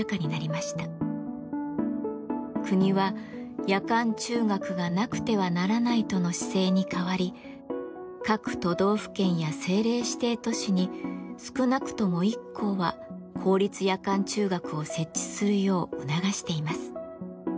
国は「夜間中学がなくてはならない」との姿勢に変わり各都道府県や政令指定都市に少なくとも１校は公立夜間中学を設置するよう促しています。